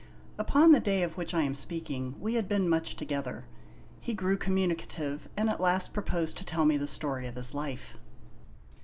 Upon the day of which I am speaking we had been much together. He grew communicative, and at last proposed to tell me the story of his life.